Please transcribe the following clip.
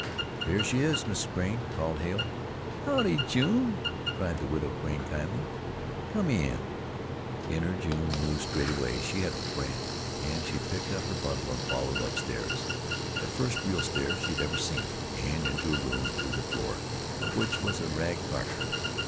"Here she is, Mrs. Crane," called Hale. "Howdye, June!" said the Widow Crane kindly. "Come right in!" In her June knew straightway she had a friend and she picked up her bundle and followed upstairs the first real stairs she had ever seen and into a room on the floor of which was a rag carpet.